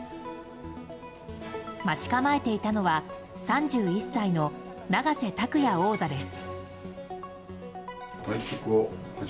待ち構えていたのは３１歳の永瀬拓矢王座です。